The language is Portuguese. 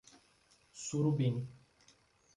Surubim